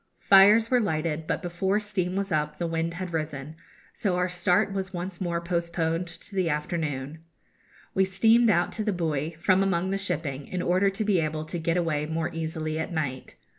Fires were lighted, but before steam was up the wind had risen; so our start was once more postponed to the afternoon. We steamed out to the buoy, from among the shipping, in order to be able to get away more easily at night.